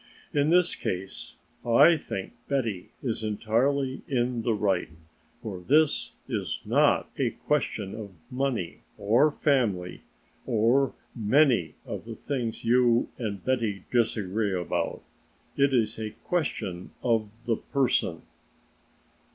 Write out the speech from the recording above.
"In this case I think Betty is entirely in the right, for this is not a question of money or family or many of the things you and Betty disagree about, it is a question of the person!"